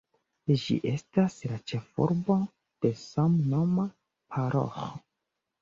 Ĝi estas la ĉefurbo de samnoma paroĥo.